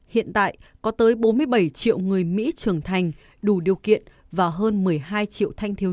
hiện tại có tới bốn mươi bảy triệu người mỹ trưởng thành đủ điều kiện và hơn một mươi hai triệu thanh thiếu niên